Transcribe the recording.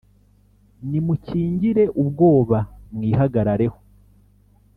nimukingire ubwoba mwihagarareho